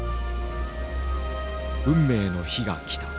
運命の日が来た。